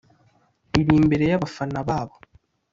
iri imbere y’abafana babo